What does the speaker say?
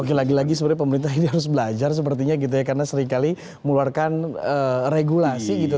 oke lagi lagi sebenarnya pemerintah ini harus belajar sepertinya gitu ya karena seringkali meluarkan regulasi gitu